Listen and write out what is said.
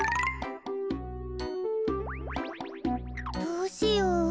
どうしよう。